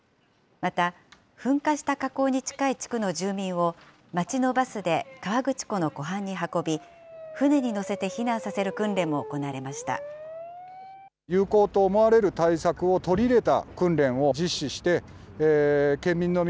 また、噴火した火口に近い地区の住民を、町のバスで河口湖の湖畔に運び、船に乗せて避難させる訓練も行われました。